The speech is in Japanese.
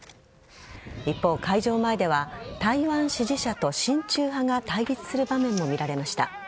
一方、会場前では台湾支持者と親中派が対立する場面も見られました。